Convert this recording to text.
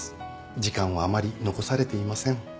時間はあまり残されていません。